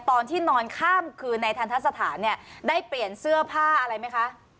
ตอนที่นอนข้ามคืนในทันทะสถานเนี่ยได้เปลี่ยนเสื้อผ้าอะไรไหมคะ